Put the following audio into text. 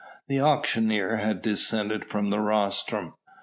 The auctioneer had descended from the rostrum.